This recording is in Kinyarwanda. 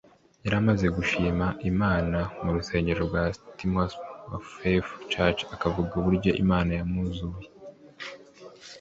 yari amaze gushima Imana mu rusengero rwa Patmos of Faith church akavuga uburyo Imana yamuzuye